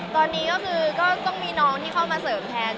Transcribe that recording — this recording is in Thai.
ตอนนี้ก็คือก็ต้องมีน้องที่เข้ามาเสริมแทน